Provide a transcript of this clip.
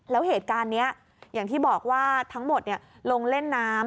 แล้วเหตุการณ์นี้อย่างที่บอกว่าทั้งหมดลงเล่นน้ำ